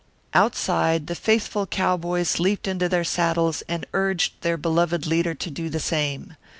Outside, the faithful cowboys leaped into their saddles and urged their beloved leader to do the same.